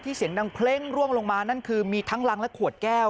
ที่เสียงดังเพลงล่วงลงมามีทั้งรังและขวดแก้ว